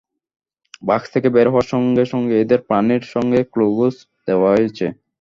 বাক্স থেকে বের হওয়ার সঙ্গে সঙ্গে এদের পানির সঙ্গে গ্লুকোজ দেওয়া হয়েছে।